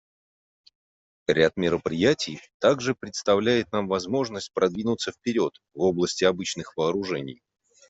Ряд мероприятий также предоставляет нам возможность продвинуться вперед в области обычных вооружений.